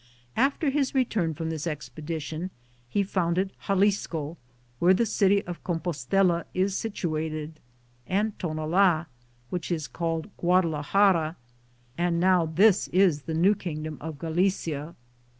After his return from this expedition, he founded Xalisco, where the city of Com poetela is situated, and Tonala, which is called Guadalaxara,' and now this is the New Kingdom of Galicia.